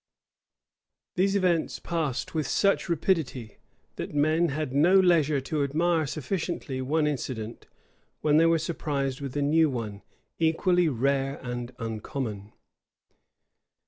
61. These events passed with such rapidity, that men had no leisure to admire sufficiently one incident, when they were surprised with a new one equally rare and uncommon.